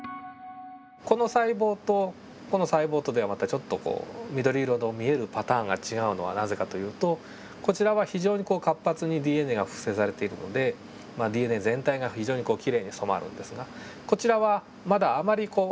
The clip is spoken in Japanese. この細胞とこの細胞とではまたちょっとこう緑色の見えるパターンが違うのはなぜかというとこちらは非常に活発にＤＮＡが複製されているのでＤＮＡ全体が非常にこうきれいに染まるんですがこちらはまだあまりこう。